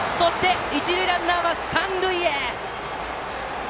一塁ランナーは三塁へ！